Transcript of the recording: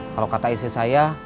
kalau kata istri saya